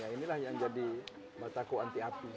inilah yang jadi batako anti api